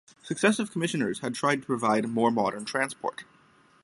Successive commissioners had tried to provide more modern transport.